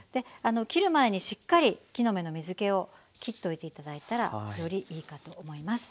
切る前にしっかり木の芽の水けをきっておいて頂いたらよりいいかと思います。